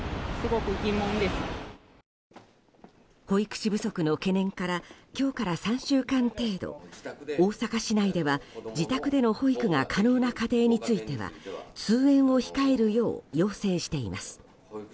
保育士不足の懸念から今日から３週間程度大阪市内では自宅での保育が可能な家庭については通園を控えるよう要請しています。